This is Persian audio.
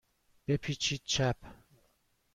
بپیچید چپ.